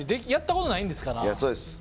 やったことないんですから。